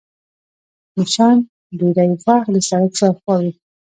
مچان ډېری وخت د سړک شاوخوا وي